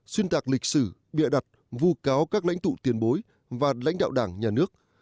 xuyên tạc lịch sử bịa đặt vu cáo các lãnh tụ tiền bối và lãnh đạo đảng nhà nước